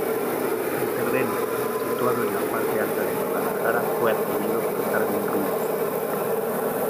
El terreno, situado en la parte alta de Guadalajara fue adquirido a Carmen Ruíz.